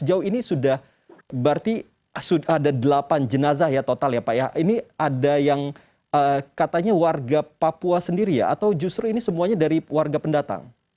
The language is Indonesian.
sejauh ini sudah berarti sudah ada delapan jenazah ya total ya pak ya ini ada yang katanya warga papua sendiri ya atau justru ini semuanya dari warga pendatang